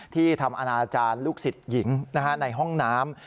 ทำอนาจารย์ลูกศิษย์หญิงในห้องน้ำ